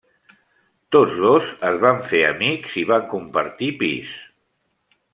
Tots dos es van fer amics i van compartir pis.